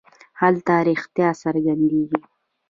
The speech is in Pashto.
هلته رښتیا څرګندېږي.